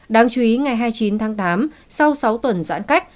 đáng chú ý ngày hai mươi chín tháng tám sau sáu tuần giãn cách